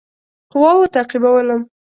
قواوو تعقیبولم.